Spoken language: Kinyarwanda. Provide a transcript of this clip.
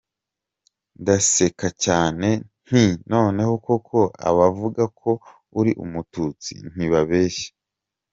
Ndaseka cyane, nti noneho koko abavuga ko uri umututsi ntibabeshya.